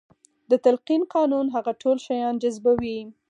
د تلقين قانون هغه ټول شيان جذبوي.